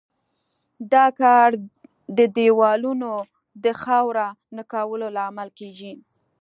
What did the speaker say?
دا کار د دېوالونو د خاوره نه کولو لامل کیږي.